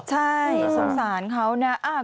ใช่สงสารเขานะ